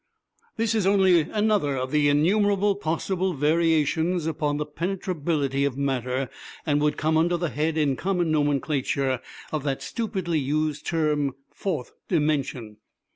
"This is only another of the innumerable possible variations upon the penetrability of matter, and would come under the head in common nomenclature of that stupidly used term 'fourth dimension.'